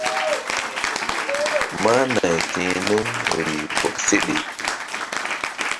Máh nay ti̧h nun rih bɔk seɗe.